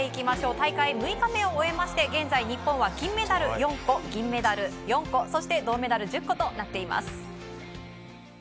大会６日目を終えまして現在、日本は金メダル４個銀メダル４個そして銅メダル１０個となっています。